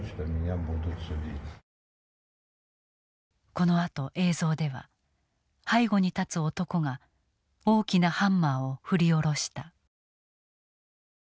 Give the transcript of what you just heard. このあと映像では背後に立つ男が大きなハンマーを振り下ろした。